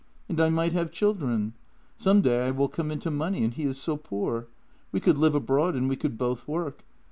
And I might have children. Some day I will come into money, and he is so poor. We could live abroad and we could both work.